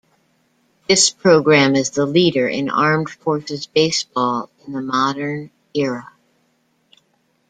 This program is the leader in armed forces baseball in the modern era.